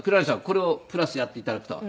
これをプラスやって頂くと。